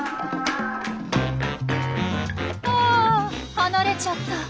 離れちゃった。